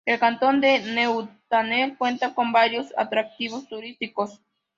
El cantón de Neuchâtel cuenta con varios atractivos turísticos.